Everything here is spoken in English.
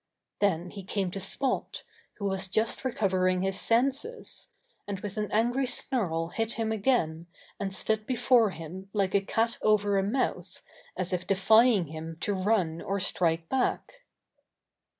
Then he came to Spot, who was just recovering his senses, and with an angry snarl hit him again and stood before him like a cat over a mouse as if defying him to run or strike back.